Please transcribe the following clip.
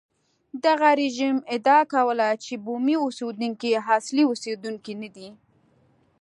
دغه رژیم ادعا کوله چې بومي اوسېدونکي اصلي اوسېدونکي نه دي.